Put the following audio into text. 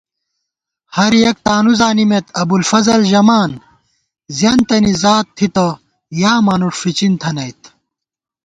ہر یَک تانُو زانِمېت ابُوالفضل ژَمان زیَنتَنی ذات تھِتہ یا مانُوݭ فِچِن تھنَئیت